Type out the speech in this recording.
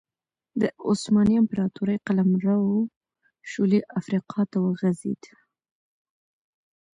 د عثماني امپراتورۍ قلمرو شولې افریقا ته وغځېد.